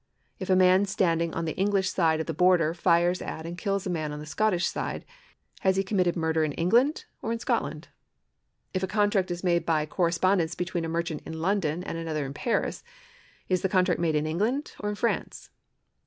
If a man standing on the Enghsh side of the Border fires at and kills a man on the Scottish side, has he committed murder in England or in Scotland ? If a contract is made by correspondence between a merchant in London and another in Paris, is the contract made in England or in France